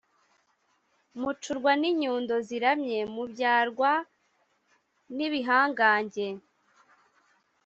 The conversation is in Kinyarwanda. mucurwa n’inyundo ziramye: mubyarwa n’ibihangange